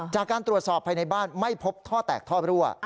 จากการตรวจสอบภายในบ้านไม่พบท่อแตกท่อรั่ว